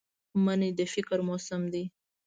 مني د فکر موسم دی